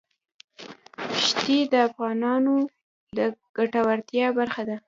ښتې د افغانانو د ګټورتیا برخه ده.